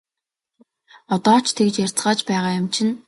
Одоо ч тэгж ярьцгааж байгаа юм чинь!